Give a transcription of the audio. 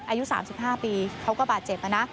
อายุ๓๕ปีเขาก็บาดเจ็บนะ